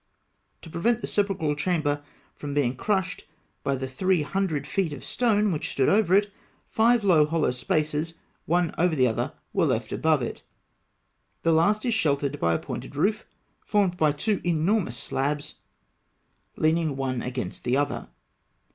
To prevent the sepulchral chamber from being crushed by the three hundred feet of stone which stood over it, five low hollow spaces, one over the other, were left above it. The last is sheltered by a pointed roof, formed of two enormous slabs (Note 29) leaning one against the other.